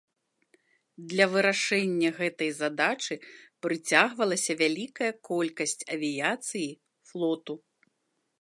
Да вырашэння гэтай задачы прыцягвалася вялікая колькасць авіяцыі флоту.